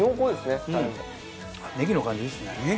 ねぎの感じいいですね。